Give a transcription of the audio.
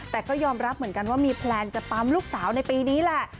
แต่ก็ยอมรับเหมือนกันว่ามีแพลนจะปั๊มลูกสาวในปีนี้แหละ